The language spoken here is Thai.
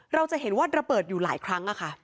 เราจะเห็นว่าระเบิดอยู่หลายครั้ง